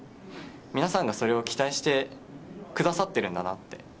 皆さんがそれを期待してくださってるんだなって。